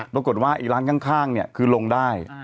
ปรากฏว่าไอ้ร้านข้างเนี่ยคือลงได้